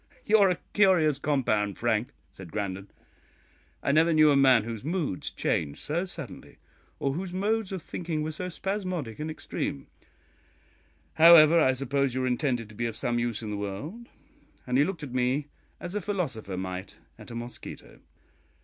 "You are a curious compound, Frank," said Grandon; "I never knew a man whose moods changed so suddenly, or whose modes of thinking were so spasmodic and extreme; however, I suppose you are intended to be of some use in the world" and he looked at me as a philosopher might at a mosquito.